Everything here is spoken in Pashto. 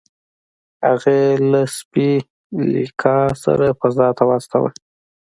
هغه یې له سپي لیکا سره فضا ته واستاوه